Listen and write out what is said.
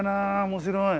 面白い。